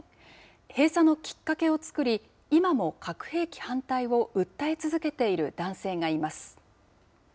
閉鎖のきっかけを作り、今も核兵器反対を訴え続けている男性がいます。